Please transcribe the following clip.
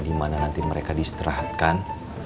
dimana nanti mereka diserahkan